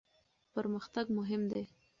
پرمختګ مهم دی.